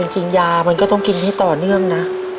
จริงยามันก็ต้องกินให้ต่อเนื่องนะ